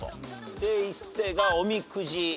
で伊勢がおみくじ。